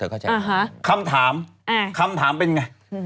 คำถามคำถามเป็นไง